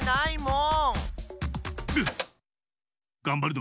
ん？